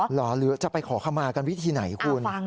หรือจะไปขอขมากันวิธีไหนคุณ